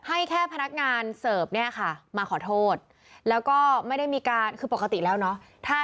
ให้แค่พนักงานเสิร์ฟเนี่ยค่ะมาขอโทษแล้วก็ไม่ได้มีการคือปกติแล้วเนาะ